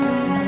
aku mau pulang